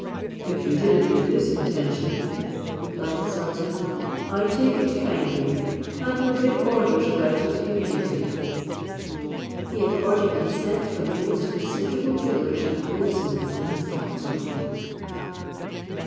"If you did it with this intention," replied the sultan, "I take it kindly, and will give orders about it immediately." He accordingly sent for the most considerable jewellers and goldsmiths in his capital.